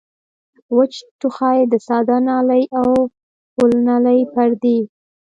وچ ټوخی د ساه د نالۍ د اولنۍ پردې